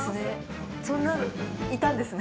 そんなのいたんですね。